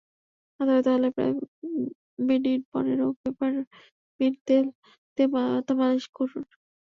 মাথাব্যথা হলে প্রায় মিনিট পনেরো পেপারমিন্ট তেল দিয়ে মাথা মালিশ করুন।